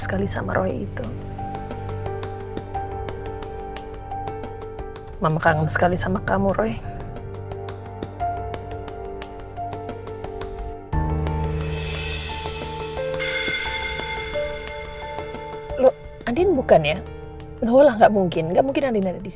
kalau mereka udah sampai tadi